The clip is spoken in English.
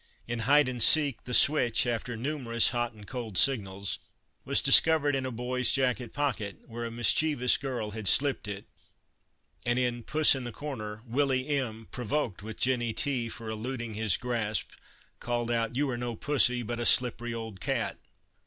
In " Hide and Seek " the switch, after numerous hot and cold signals, was discovered in a boy's jacket pocket, where a mischievous girl had slipped it, , and in " Puss in the Corner," Willie M , provoked with Jennie T for eluding his grasp, called out: " You are no pussy, but a slippery old cat."